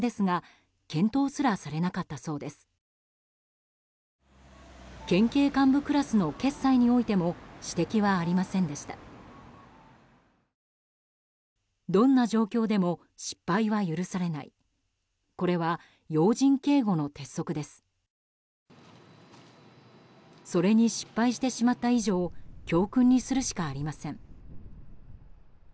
それに失敗してしまった以上教訓にするしかありません。